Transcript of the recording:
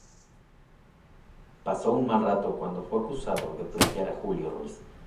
Pasó un mal rato cuando fue acusado de plagiar a Julio Ruiz.